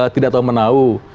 tidak tahu menahu